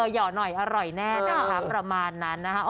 ห่อหน่อยอร่อยแน่นะคะประมาณนั้นนะคะ